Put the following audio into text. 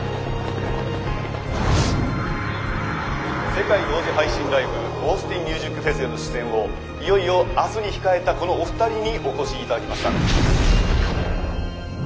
世界同時配信ライブオースティンミュージックフェスへの出演をいよいよ明日に控えたこのお二人にお越し頂きました。